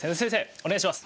お願いします。